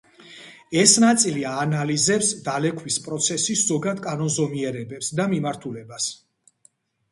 ეს ნაწილი აანალიზებს დალექვის პროცესის ზოგად კანონზომიერებებს და მიმართულებას.